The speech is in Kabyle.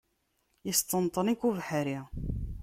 Yesṭenṭen-ik ubeḥri.